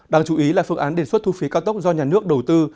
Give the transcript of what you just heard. đáng chú ý là phương án đề xuất thu phí cao tốc do nhà nước đầu tư